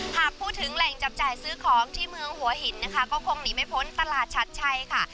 หากพูดถึงแหล่งจับจ่ายซื้อของที่เมืองหัวหินนะคะก็คงหนีไม่พ้นตลาดชัดชัยค่ะ